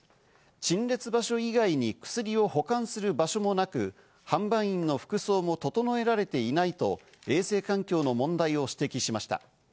陳列場所以外に薬を保管する場所もなく、販売員の服装も整えられていないと衛生環境の問題を指摘しました。